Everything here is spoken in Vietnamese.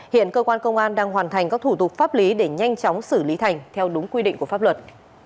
hiện cơ quan công an đang hoàn thành các thủ tục pháp lý để nhanh chóng xử lý thành theo đúng quy định của pháp luật